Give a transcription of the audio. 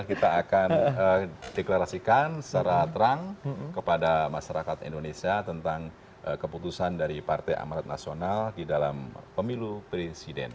kita akan deklarasikan secara terang kepada masyarakat indonesia tentang keputusan dari partai amarat nasional di dalam pemilu presiden